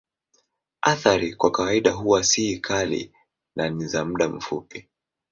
Athari kwa kawaida huwa si kali na ni za muda mfupi.